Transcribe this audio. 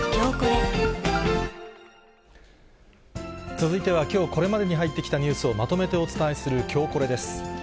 続いてはきょうこれまでに入ってきているニュースをまとめてお伝えする、きょうコレです。